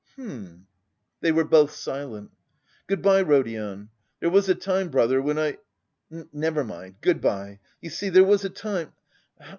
hm..." They were both silent. "Good bye, Rodion. There was a time, brother, when I.... Never mind, good bye. You see, there was a time....